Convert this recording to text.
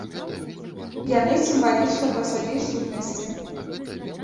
Яны сімвалічны па сваёй сутнасці.